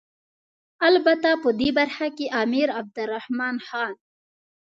البته په دې برخه کې امیر عبدالرحمن خان.